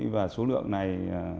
và số lượng này